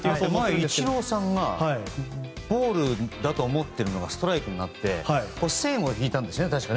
イチローさんがボールだと思っているのがストライクになって線を引いたんですね、確か。